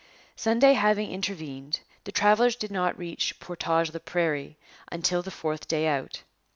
Sunday having intervened, the travellers did not reach Portage la Prairie until the fourth day out.